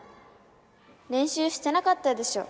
練習してなかったでしょ！